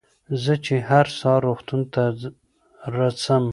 زه چې هر سهار روغتون ته رڅم.